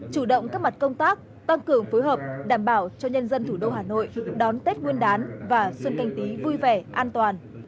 chủ động các mặt công tác tăng cường phối hợp đảm bảo cho nhân dân thủ đô hà nội đón tết nguyên đán và xuân canh tí vui vẻ an toàn